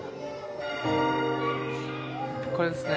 これですね。